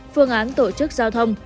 phương án tổ chức giao thông